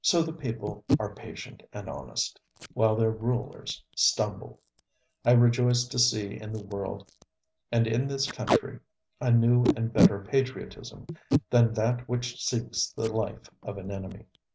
So the people are patient and honest, while their rulers stumble. I rejoice to see in the world and in this country a new and better patriotism than that which seeks the life of an enemy.